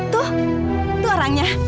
tuh tuh orangnya